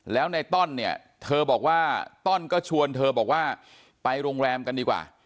แล้วในต้อนเนี่ยเธอบอกว่าต้อนก็ชวนเธอบอกว่าไปโรงแรมกันดีกว่า